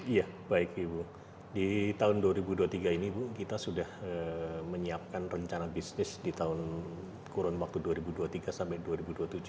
iya baik ibu di tahun dua ribu dua puluh tiga ini bu kita sudah menyiapkan rencana bisnis di tahun kurun waktu dua ribu dua puluh tiga sampai dua ribu dua puluh tujuh